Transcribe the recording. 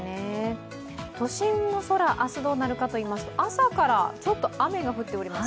都心の空、明日どうなるかといいますと、朝からちょっと雨が降っております。